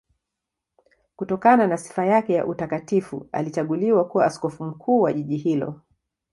Kutokana na sifa yake ya utakatifu alichaguliwa kuwa askofu mkuu wa jiji hilo.